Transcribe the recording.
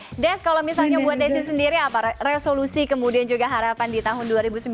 oke des kalau misalnya buat desi sendiri apa resolusi kemudian juga harapan di tahun dua ribu sembilan belas